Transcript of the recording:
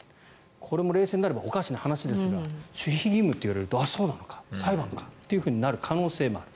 これも冷静になればおかしな話ですが守秘義務と言われるとあ、そうなのか、裁判かとなる可能性がある。